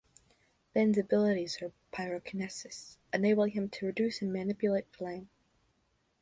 Ben's abilities are pyrokinesis, enabling him to produce and manipulate flame.